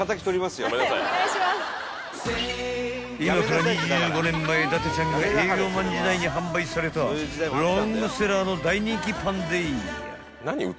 ［今から２５年前伊達ちゃんが営業マン時代に販売されたロングセラーの大人気パンでい］